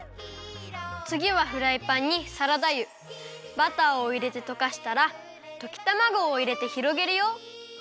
つぎはフライパンにサラダ油バターをいれてとかしたらときたまごをいれてひろげるよ。